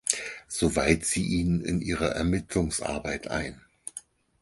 So weiht sie ihn in ihre Ermittlungsarbeit ein.